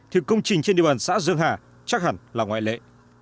thì công trình trên địa bàn xã dương hà chắc hẳn là ngoại lệ